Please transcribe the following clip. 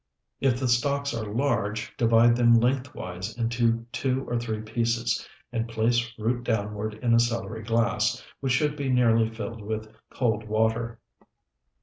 If the stalks are large, divide them lengthwise into two or three pieces and place root downward in a celery glass, which should be nearly filled with cold water.